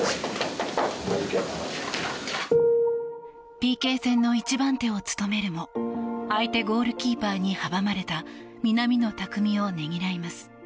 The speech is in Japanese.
ＰＫ戦の１番手を務めるも相手ゴールキーパーに阻まれた南野拓実をねぎらいます。